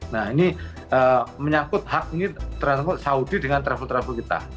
nah ini menyangkut hak ini saudi dengan travel travel kita